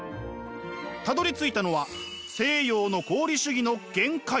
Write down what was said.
たどりついたのは西洋の合理主義の限界。